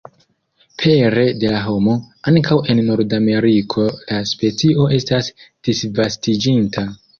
Pere de la homo, ankaŭ en Nordameriko la specio estas disvastiĝinta.